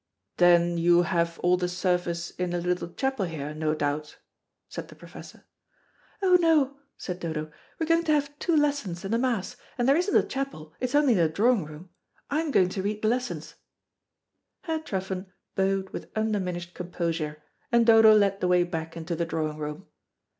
"Then you haf all the service in a little chapel here, no doubt," said the Professor. "Oh, no," said Dodo; "we're going to have two lessons and the Mass, and there isn't a chapel, it's only in the drawing room. I'm going to read the lessons." Herr Truffen bowed with undiminished composure, and Dodo led the way back into the drawing room.